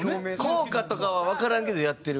効果とかはわからんけどやってるんや。